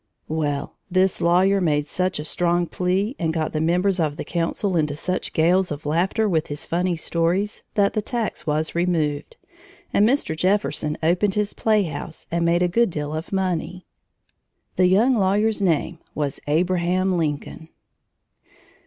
Well this lawyer made such a strong plea, and got the members of the council into such gales of laughter with his funny stories, that the tax was removed, and Mr. Jefferson opened his playhouse and made a good deal of money. The young lawyer's name was Abraham Lincoln!